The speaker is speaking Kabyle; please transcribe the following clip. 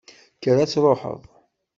Kker ad truḥeḍ!